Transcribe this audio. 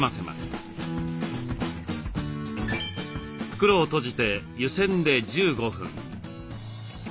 袋を閉じて湯せんで１５分。